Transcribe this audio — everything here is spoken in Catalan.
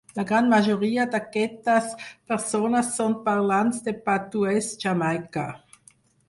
La gran majoria d'aquestes persones són parlants de patuès jamaicà.